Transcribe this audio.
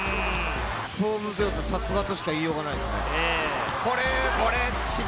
勝負強さ、さすがとしか言いようがないです。